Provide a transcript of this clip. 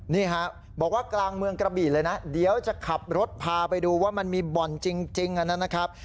นี่ฮะบอกว่ากลางเมืองกระบี่เลยนะเดี๋ยวจะขับรถพาไปดูว่ามันมีบ่อนจริงอันนั้นนะครับ